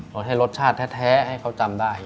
เราให้รสชาติแท้ให้เขาจำได้